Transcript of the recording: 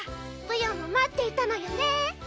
ブヨも待っていたのよね。